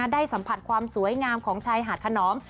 ได้สัมผัสความสวยงามของชายหาดขนอม